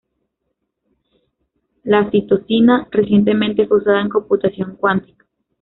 La citosina recientemente fue usada en computación cuántica.